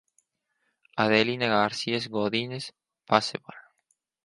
Adelina García Godínez, Baseball.